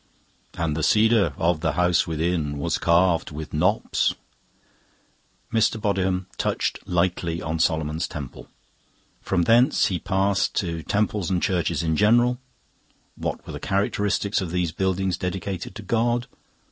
"And the cedar of the house within was carved with knops." Mr. Bodiham touched lightly on Solomon's temple. From thence he passed to temples and churches in general. What were the characteristics of these buildings dedicated to God?